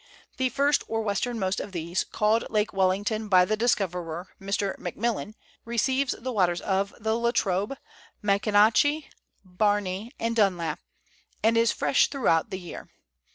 The first or westernmost of these, called Lake Wellington by the discoverer, Mr. McMillan, receives the waters of the La Trobe, Maconochie, Barney, and Dunlop, and is fresh throughout the year.